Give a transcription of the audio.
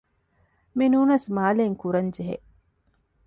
މިނޫނަސް މާލެއިން ކުރަންޖެހޭ